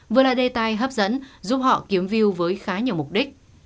vừa là đề tài hấp dẫn giúp họ kiếm view với khá nhiều mục đích